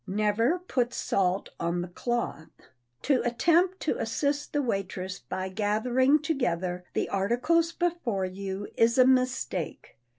Never put salt on the cloth. To attempt to assist the waitress by gathering together the articles before you, is a mistake.